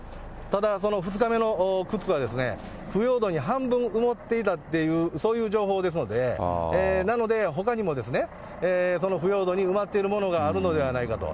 ただ、２日目の靴は、腐葉土に半分埋まっていたという、そういう情報ですので、なのでほかにも、その腐葉土に埋まっているものがあるのではないかと。